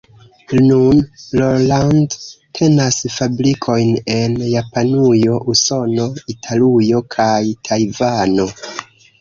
Nun Roland tenas fabrikojn en Japanujo, Usono, Italujo kaj Tajvano.